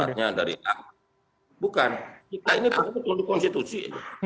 baratnya dari bukan kita ini baru tunduk konstitusi